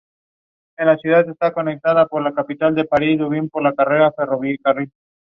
Los preparados comerciales se utilizan con frecuencia por los atletas profesionales.